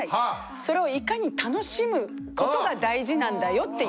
それをいかに楽しむことが大事なんだよっていう。